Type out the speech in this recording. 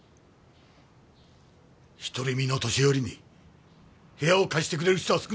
独り身の年寄りに部屋を貸してくれる人は少ない。